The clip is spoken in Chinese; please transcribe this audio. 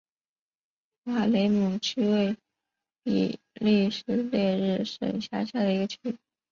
瓦雷姆区为比利时列日省辖下的一个区。